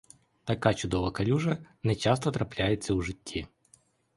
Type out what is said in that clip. Така чудова калюжа не часто трапляється у житті.